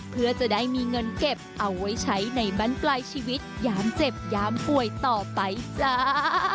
เพื่อจะได้มีเงินเก็บเอาไว้ใช้ในบ้านปลายชีวิตยามเจ็บยามป่วยต่อไปจ้า